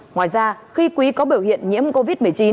ngoài ra khi quý có biểu hiện nhiễm covid một mươi chín